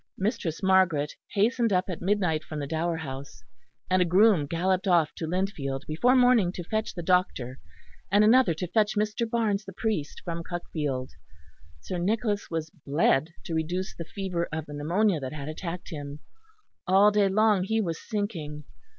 Mistress Margaret hastened up at midnight from the Dower House, and a groom galloped off to Lindfield before morning to fetch the doctor, and another to fetch Mr. Barnes, the priest, from Cuckfield. Sir Nicholas was bled to reduce the fever of the pneumonia that had attacked him. All day long he was sinking.